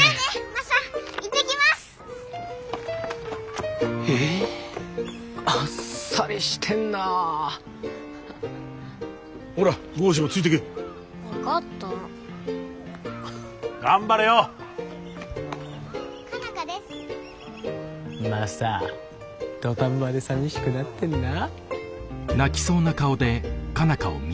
マサ土壇場で寂しくなってんな？